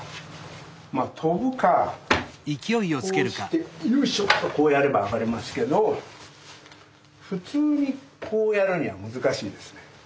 まあ跳ぶかこうしてヨイショとこうやれば上がれますけど普通にこうやるには難しいですね。